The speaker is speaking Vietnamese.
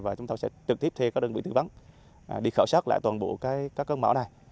và chúng tôi sẽ trực tiếp thê các đơn vị tư vấn đi khảo sát lại toàn bộ các con mỏ này